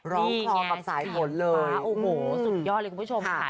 คล้อกับสายฝนเลยโอ้โหสุดยอดเลยคุณผู้ชมค่ะ